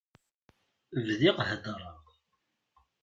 Bdiɣ heddreɣ.